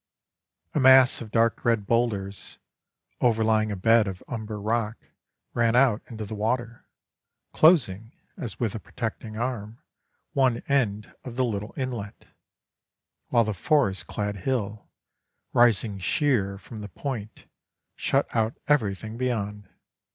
A mass of dark red boulders, overlying a bed of umber rock, ran out into the water, closing, as with a protecting arm, one end of the little inlet, while the forest clad hill, rising sheer from the point, shut out everything beyond.